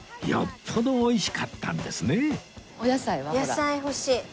野菜欲しい。